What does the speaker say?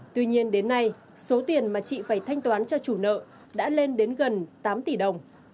tuy nhiên đến nay số tiền mà chị phải thanh toán cho chủ nợ đã lên đến gần tám tỷ đồng